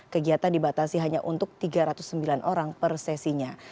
kegiatan dibatasi hanya untuk tiga ratus sembilan orang per sesinya